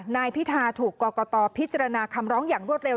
นายพิธาถูกกรกตพิจารณาคำร้องอย่างรวดเร็